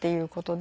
で